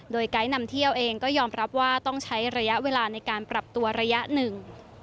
โดยไกด์นำเที่ยวเองก็ยอมรับว่าต้องใช้ระยะเวลาในการปรับตัวระยะหนึ่ง